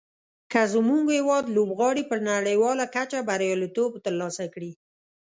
که زموږ هېواد لوبغاړي په نړیواله کچه بریالیتوب تر لاسه کړي.